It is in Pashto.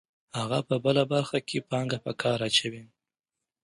هغه په بله برخه کې پانګه په کار اچوي